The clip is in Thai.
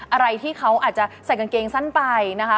อะไรที่เขาอาจจะใส่กางเกงสั้นไปนะคะ